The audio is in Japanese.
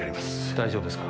大丈夫ですか？